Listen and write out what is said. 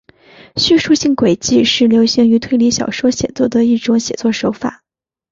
叙述性诡计是流行于推理小说写作的一种写作手法。